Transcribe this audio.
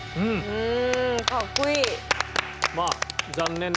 うん。